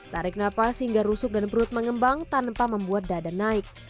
tarik nafas hingga rusuk dan perut mengembang tanpa membuat dada naik